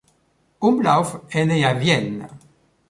Umlauf est né à Vienne.